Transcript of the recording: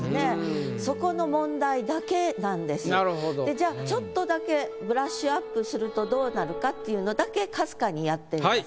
じゃあちょっとだけブラッシュアップするとどうなるかっていうのだけかすかにやってみます。